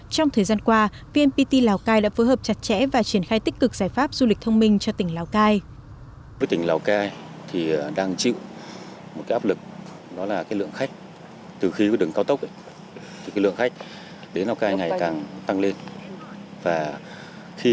trong thời gian qua vnpt lào cai đã phối hợp chặt chẽ và triển khai tích cực giải pháp du lịch thông minh